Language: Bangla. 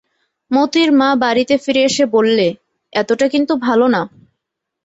মোতির মা বাড়িতে ফিরে এসে বললে, এতটা কিন্তু ভালো না।